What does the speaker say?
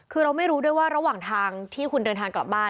คือเราไม่รู้ด้วยว่าระหว่างทางที่คุณเดินทางกลับบ้าน